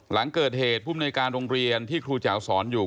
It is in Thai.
หลังเกิดเหตุภูมิในการโรงเรียนที่ครูแจ๋วสอนอยู่